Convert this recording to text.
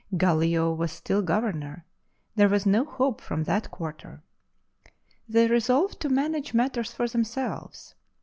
GaHio was still Governor; there was no hope from that quarter. They resolved to manage matters for themselves.